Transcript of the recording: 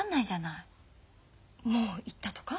もう言ったとか？